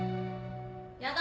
やだ。